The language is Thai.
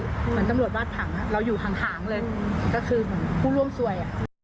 เหมือนตำรวจวาดผังเราอยู่ห่างเลยก็คือเหมือนผู้ร่วมสวย